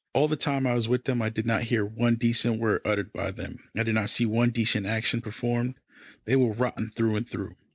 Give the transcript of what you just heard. All the time I was with them I did not hear one decent word uttered by them, I did not see one decent action performed. They were rotten through and through.